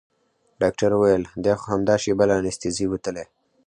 ډاکتر وويل دى خو همدا شېبه له انستيزي وتلى.